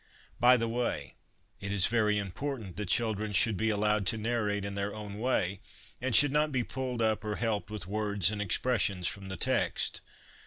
By the way, it is very important that children should be allowed to narrate in their own way, and should not be pulled up or helped with words and expres sions from the text.